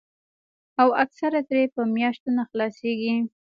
او اکثر ترې پۀ مياشتو نۀ خلاصيږي